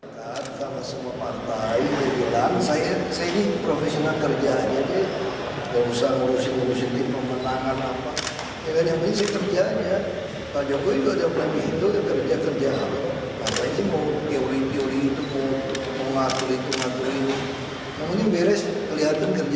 pemakuling pemakuling kemudian beres kelihatan kerjanya